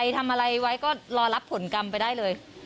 ทำอะไรไว้ก็รอรับผลกรรมไปได้เลย